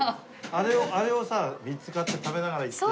あれをさ３つ買って食べながら行って。